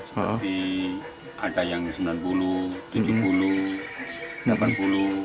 seperti ada yang sembilan puluh tujuh puluh delapan puluh